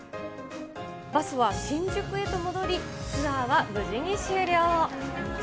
バスは新宿へと戻り、ツアーは無事に終了。